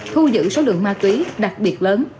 thu giữ số lượng ma túy đặc biệt lớn